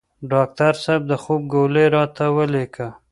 ډاکټر صیب د خوب ګولۍ راته ولیکه